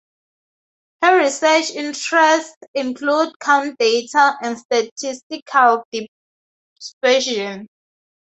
Her research interests include count data and statistical dispersion.